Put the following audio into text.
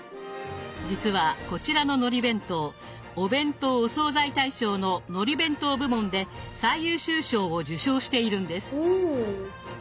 実はこちらののり弁当「お弁当・お惣菜大賞」の「のり弁当」部門で最優秀賞を受賞しているんです。